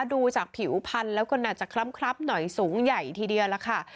ดูจากผิวพันธุ์แล้วก็น่าจะคล้ำหน่อยสูงใหญ่ทีเดียวล่ะค่ะ